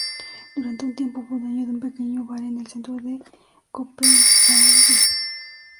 Durante un tiempo fue dueño de un pequeño bar en el centro de Copenhague.